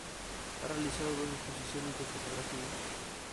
Ha realizado dos exposiciones de fotografía.